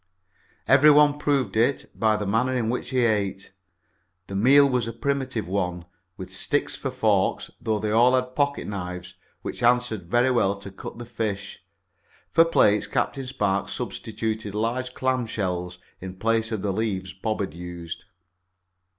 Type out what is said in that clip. Every one proved it by the manner in which he ate. The meal was a primitive one, with sticks for forks, though they all had pocket knives, which answered very well to cut the fish. For plates Captain Spark substituted large clam shells, in place of the leaves Bob had used.